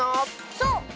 そう。